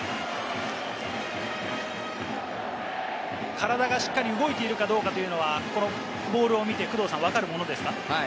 体がしっかり動いているかどうかというのは、このボールを見て工藤さん、分かるものですか？